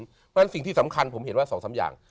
เพราะฉะนั้นสิ่งที่สำคัญผมเห็นว่า๒๓อย่าง